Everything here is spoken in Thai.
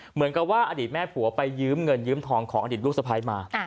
เหมือนกับว่าอดีตแม่ผัวไปยืมเงินยืมทองของอดีตลูกสะพ้ายมา